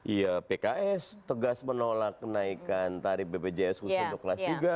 iya pks tegas menolak kenaikan tarif bpjs khusus untuk kelas tiga